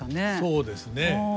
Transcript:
そうですね。